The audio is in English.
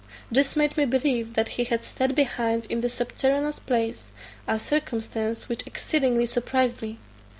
This made me believe that he had staid behind in the subterraneous place, a circumstance which exceedingly surprised me.